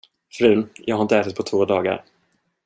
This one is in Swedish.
Frun, jag har inte ätit på två dagar.